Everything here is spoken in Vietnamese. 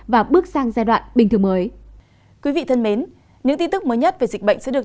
và bước sang giai đoạn bình thường mới